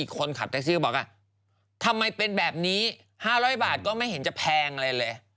คนขับแท็กซี่บอกว่าทำไมเป็นแบบนี้๕๐๐บาทก็ไม่เห็นจะแพงอะไรเลย